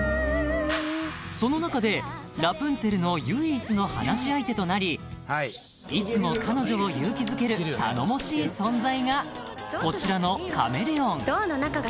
［その中でラプンツェルの唯一の話し相手となりいつも彼女を勇気づける頼もしい存在がこちらのカメレオン］